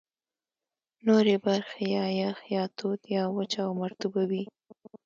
نورې برخې یا یخ، یا تود، یا وچه او مرطوبه وې.